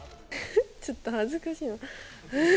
ちょっと恥ずかしいな。